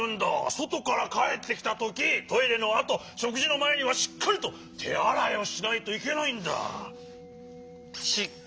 そとからかえってきたときトイレのあとしょくじのまえにはしっかりとてあらいをしないといけないんだ。